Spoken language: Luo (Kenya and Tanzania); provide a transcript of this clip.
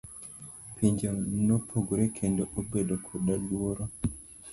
Pinje nopogore kendo obedo koda luoro.